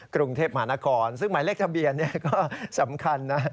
กรุงเทพมหานครซึ่งหมายเลขทะเบียนก็สำคัญนะ